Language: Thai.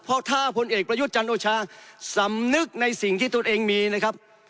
เพราะถ้าพลเอกประยุทธ์จันโอชาสำนึกในสิ่งที่ตนเองมีนะครับ